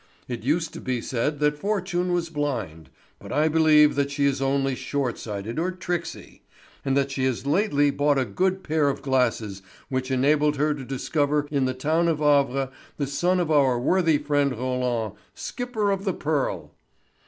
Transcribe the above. It used to be said that Fortune was blind, but I believe that she is only short sighted or tricksy, and that she has lately bought a good pair of glasses which enabled her to discover in the town of Havre the son of our worthy friend Roland, skipper of the Pearl."